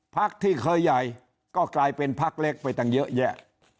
พักที่เคยใหญ่ก็กลายเป็นพักเล็กไปตั้งเยอะแยะ